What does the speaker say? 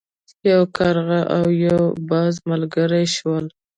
یو کارغه او یو باز ملګري شول.